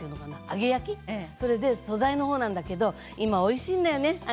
揚げ焼きそれで素材もなんだけど今おいしいんだよね